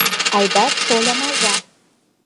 Айдар шольым, азап.